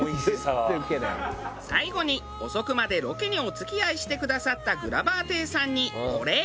最後に遅くまでロケにお付き合いしてくださったグラバー亭さんにお礼。